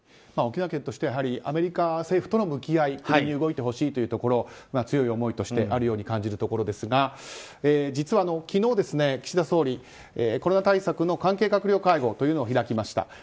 沖縄県としてはアメリカ政府との向き合いとして動いてほしいというところ強い思いとしてあるように感じるところですが実は、昨日岸田総理感染対策の関係閣僚会合を開きました。